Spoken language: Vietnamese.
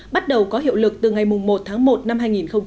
bắt đầu có hiệu lực từ ngày một tháng một năm hai nghìn một mươi chín